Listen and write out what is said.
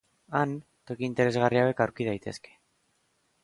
Han, toki interesgarri hauek aurki daitezke.